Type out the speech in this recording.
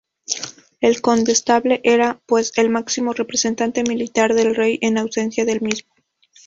El condestable era, pues, el máximo representante militar del Rey en ausencia del mismo.